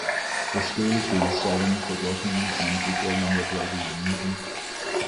The school fields seven Football teams and an equal number of rugby union teams.